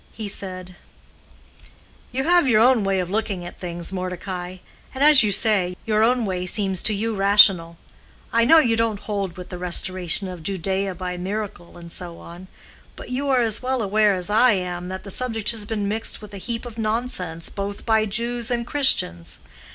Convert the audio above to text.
He said, "You have your own way of looking at things, Mordecai, and as you say, your own way seems to you rational. I know you don't hold with the restoration of Judea by miracle, and so on; but you are as well aware as I am that the subject has been mixed with a heap of nonsense both by Jews and Christians.